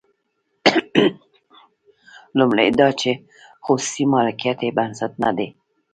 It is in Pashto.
لومړی دا چې خصوصي مالکیت یې بنسټ نه دی.